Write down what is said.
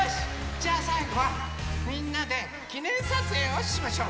じゃあさいごはみんなできねんさつえいをしましょう！